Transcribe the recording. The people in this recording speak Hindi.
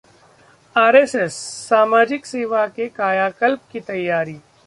आरएसएस: सामाजिक सेवा से कायाकल्प की तैयारी